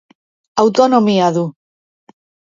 Autonomia du.